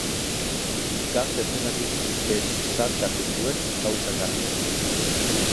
Gazte zelarik besarkatu zuen kausa karlista.